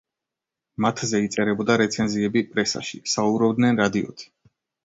მათზე იწერებოდა რეცენზიები პრესაში, საუბრობდნენ რადიოთი.